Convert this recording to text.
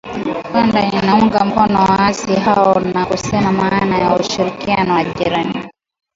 Rwanda inaunga mkono waasi hao na kusema maana ya ushirikiano na jirani